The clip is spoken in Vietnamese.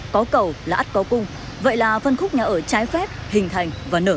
có cầu là ắt có cung vậy là phân khúc nhà ở trái phép hình thành và nở rộ